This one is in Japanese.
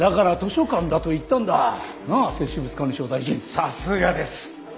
さすがです！